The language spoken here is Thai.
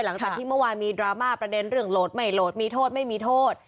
หลังจากที่เมื่อวานมีดราม่าประเด็นเรื่องโหลดไม่โหลดมีโทษไม่มีโทษ